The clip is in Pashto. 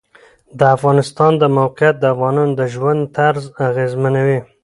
د افغانستان د موقعیت د افغانانو د ژوند طرز اغېزمنوي.